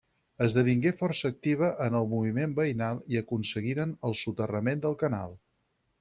Esdevingué força activa en el moviment veïnal i aconseguiren el soterrament del canal.